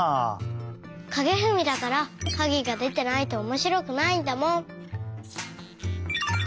かげふみだからかげがでてないとおもしろくないんだもん！